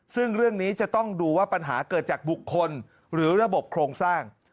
ซึ่งเรื่องนี้จะต้องดูว่าปัญหาเกิดจากบุคคลหรือระบบโครงสร้าง